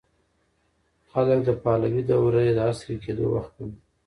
خلک د پهلوي دوره د عصري کېدو وخت بولي.